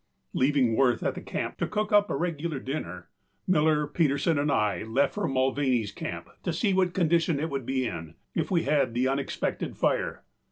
Leaving Wirth at the camp to cook up a regular dinner, Miller, Peterson, and I left for Mulvaneyâs Camp to see what condition it would be in, if we had the unexpected fire.